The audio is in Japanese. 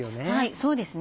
そうですね。